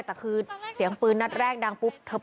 แต่คือเสียงปืนนัดแรกดังปุ๊บไปก่อนเลยค่ะ